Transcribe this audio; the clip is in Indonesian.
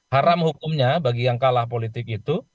haram hukumnya bagi yang kalah politik itu